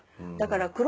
だから。